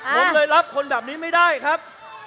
ผมเลยรับคนแบบนี้ไม่ได้ครับ